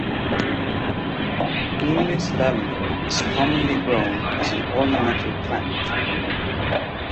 English lavender is commonly grown as an ornamental plant.